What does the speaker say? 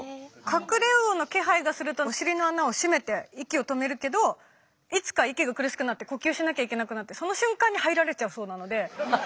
カクレウオの気配がするとお尻の穴を締めて息を止めるけどいつか息が苦しくなって呼吸しなきゃいけなくなってその瞬間に入られちゃうそうなので。